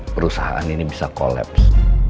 perusahaan ini bisa kolaps